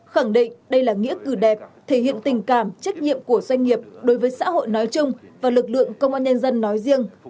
khẳng định đây là nghĩa cử đẹp thể hiện tình cảm trách nhiệm của doanh nghiệp đối với xã hội nói chung và lực lượng công an nhân dân nói riêng